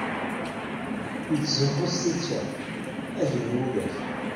Yettzuxxu s titar, ajenwi ulac.